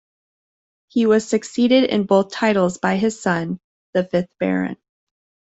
He was succeeded in both titles by his son, the fifth Baron.